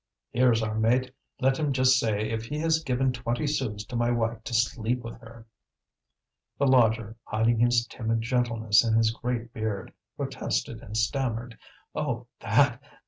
"Here's our mate; let him just say if he has given twenty sous to my wife to sleep with her." The lodger, hiding his timid gentleness in his great beard, protested and stammered: "Oh, that?